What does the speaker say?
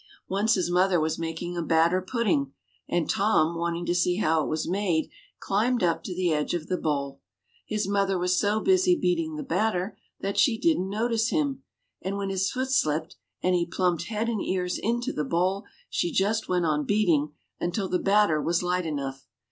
Once his mother was making a batter pudding, and Tom, wanting to see how it was made, climbed up to the edge of the bowl. His mother was so busy beating the batter that she didn't notice him ; and when his foot slipped, and he plumped head and ears into the bowl, she just went on beating until the batter was light enough.